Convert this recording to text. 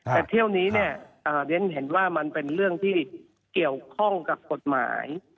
แต่เที่ยวนี้เนี่ยเรียนเห็นว่ามันเป็นเรื่องที่เกี่ยวข้องกับกฎหมาย